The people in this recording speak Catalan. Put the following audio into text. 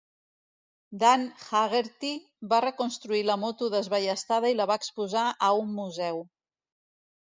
Dan Haggerty va reconstruir la moto desballestada i la va exposar a un museu.